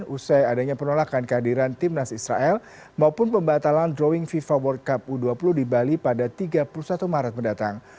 usai adanya penolakan kehadiran timnas israel maupun pembatalan drawing fifa world cup u dua puluh di bali pada tiga puluh satu maret mendatang